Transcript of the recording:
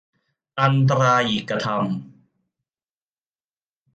อันตรายิกธรรม